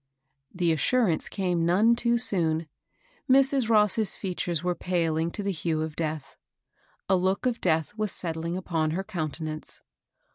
The assurance came none too soon ; Mrs. Ross's features were paling to the hue of death ; a look of death was settUng upon her countenance.